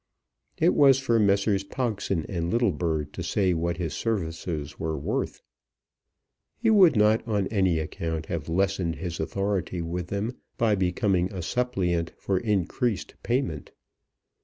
It was for Messrs. Pogson and Littlebird to say what his services were worth. He would not on any account have lessened his authority with them by becoming a suppliant for increased payment.